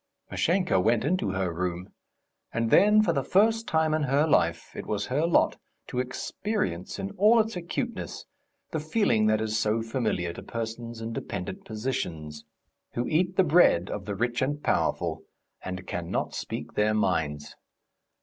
Mashenka went into her room, and then, for the first time in her life, it was her lot to experience in all its acuteness the feeling that is so familiar to persons in dependent positions, who eat the bread of the rich and powerful, and cannot speak their minds.